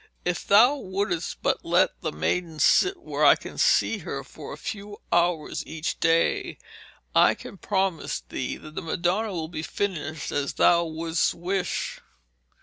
'If thou wouldst but let the maiden sit where I can see her for a few hours each day, I can promise thee that the Madonna will be finished as thou wouldst wish.'